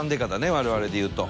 我々でいうと。